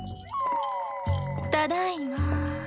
ただいま。